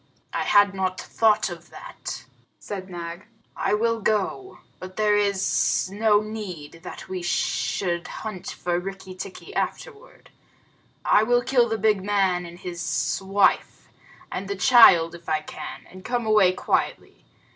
"I had not thought of that," said Nag. "I will go, but there is no need that we should hunt for Rikki tikki afterward. I will kill the big man and his wife, and the child if I can, and come away quietly.